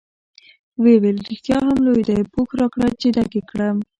ویې ویل: رښتیا هم لوی دی، پوښ راکړه چې ډک یې کړم.